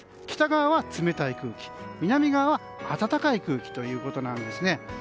北側は冷たい空気南側は暖かい空気ということなんです。